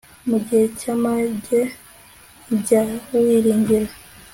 mu gihe cy'amage jya wiringira